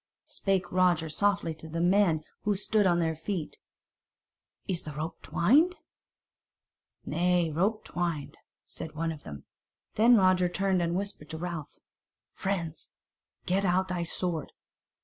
Spake Roger softly to the men who stood on their feet: "Is the rope twined?" "Nay, rope twiner," said one of them. Then Roger turned and whispered to Ralph: "Friends. Get out thy sword!"